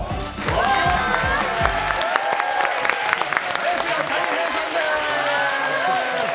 林家たい平さんです！